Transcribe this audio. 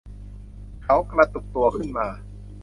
เขากระตุกตัวขึ้นมา